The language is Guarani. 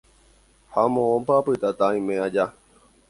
ha moõpa apytáta aime aja.